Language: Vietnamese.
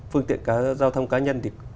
phương tiện giao thông cá nhân thì